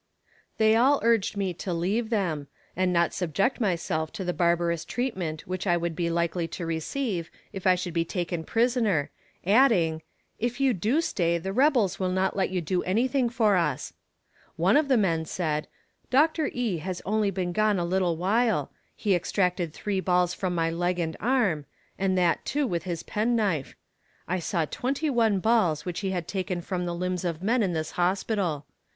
They all urged me to leave them, and not subject myself to the barbarous treatment which I would be likely to receive if I should be taken prisoner, adding "If you do stay the rebels will not let you do anything for us." One of the men said: "Dr. E. has only been gone a little while he extracted three balls from my leg and arm, and that, too, with his pen knife. I saw twenty one balls which he had taken from the limbs of men in this hospital.